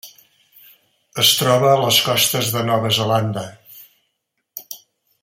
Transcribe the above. Es troba a les costes de Nova Zelanda.